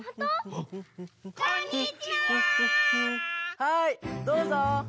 はいどうぞ。